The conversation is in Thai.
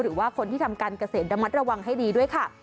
หรือว่าคนที่ทำการเกษตรระมัดระวังให้ดีด้วยค่ะ